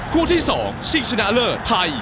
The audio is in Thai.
คู่ที่๒ชิงชนะเลิศไทย